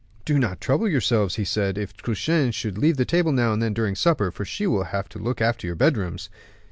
"Do not trouble yourselves," he said, "if Truchen should leave the table now and then during supper; for she will have to look after your bedrooms."